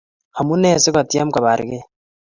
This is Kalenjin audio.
Amunee sikotiem kobargei?